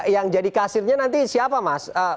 yang jadi kasirnya nanti siapa mas